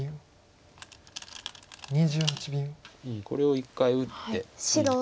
これを１回打って。